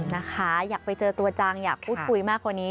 นะคะอยากไปเจอตัวจังอยากพูดคุยมากกว่านี้